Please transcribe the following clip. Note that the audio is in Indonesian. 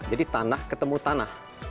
jadi tanah ketemu tanah